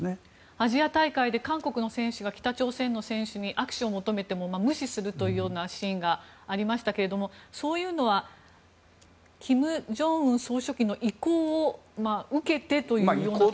アジア大会で韓国の選手が北朝鮮の選手に握手を求めても無視するというようなシーンがありましたがそういうのは金正恩総書記の意向を受けてというところがあるんでしょうか。